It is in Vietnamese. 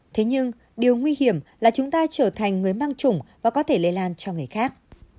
thế nhưng điều nguy hiểm là chúng ta trở thành người mang chủng và có thể lây lan cho người khác